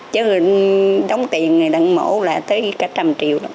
chứ đóng tiền đặng mẫu là tới cả trăm triệu